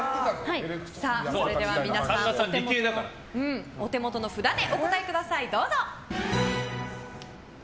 それでは皆さんお手元の札でお答えください。